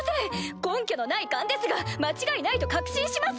根拠のない勘ですが間違いないと確信します！